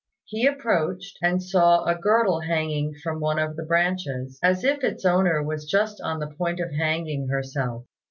He approached, and saw a girdle hanging from one of the branches, as if its owner was just on the point of hanging herself.